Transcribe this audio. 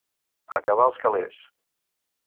Acabar els calés.